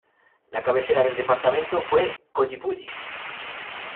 La cabecera del departamento fue Collipulli.